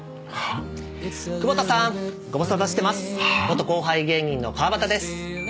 元後輩芸人の川端です。